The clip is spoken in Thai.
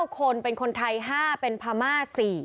๙คนเป็นคนไทย๕เป็นพม่า๔